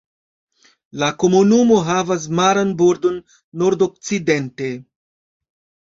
La komunumo havas maran bordon nordokcidente.